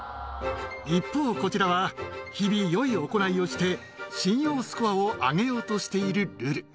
一方、こちらは、日々、よい行いをして、信用スコアを上げようとしているルル。